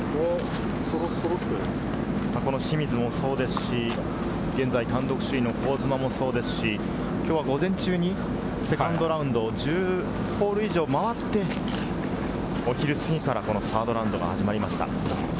この清水もそうですし、現在、単独首位の香妻もそうですし、きょうは午前中にセカンドラウンド、１０ホール以上回って、お昼過ぎからこの３ｒｄラウンドが始まりました。